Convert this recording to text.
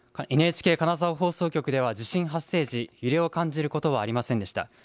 ＮＨＫ金沢放送局では地震発生時、揺れを感じることはありませんでした。